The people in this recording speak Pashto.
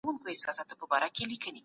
انفرادي هڅي ټولنه جوړوي.